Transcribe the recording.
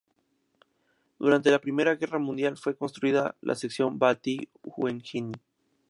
Durante la Primera Guerra Mundial fue construida la sección Bălţi-Ungheni.